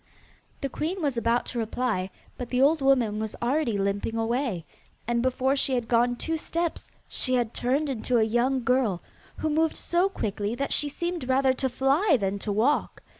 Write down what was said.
The queen was about to reply, but the old woman was already limping away, and before she had gone two steps she had turned into a young girl, who moved so quickly that she seemed rather to fly than to walk.